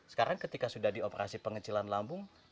sekarang ketika sudah di operasi pengecilan lambung